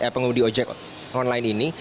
untuk menentukan tarif ojek online